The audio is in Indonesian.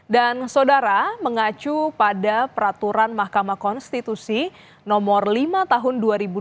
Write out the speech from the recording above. dan saudara mengacu pada peraturan mahkamah konstitusi nomor lima tahun dua ribu dua puluh tiga